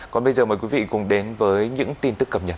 còn bây giờ mời quý vị cùng đến với những tin tức cập nhật